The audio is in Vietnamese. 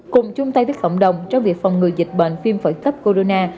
cùng chung tay với cộng đồng trong việc phòng người dịch bệnh phim phởi cấp corona